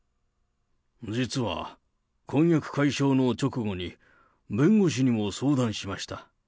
実は婚約解消の直後に弁護士にも相談しました。